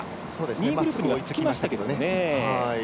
２位グループに追いつきましたけどね。